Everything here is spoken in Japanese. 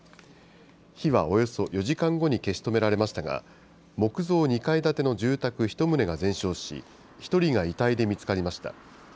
火はおよそ４時間後に消し止められましたが、木造２階建ての住宅１棟が全焼し、１人が遺体で見つかりました。